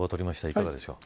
いかがでしょう。